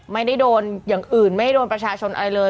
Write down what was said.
ไม่ได้โดนอย่างอื่นไม่ได้โดนประชาชนอะไรเลย